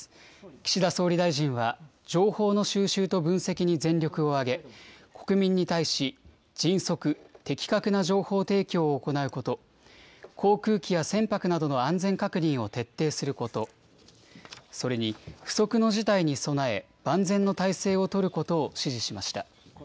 岸田総理大臣は、情報の収集と分析に全力を挙げ、国民に対し、迅速、的確な情報提供を行うこと、航空機や船舶などの安全確認を徹底すること、それに不測の事態に備え、万全の態勢を取ることを指示しました。